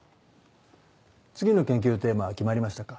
次の研究のテーマは決まりましたか？